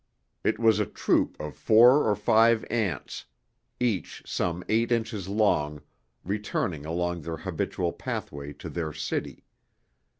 It was a troop of four or five ants, each some eight inches long, returning along their habitual pathway to their city.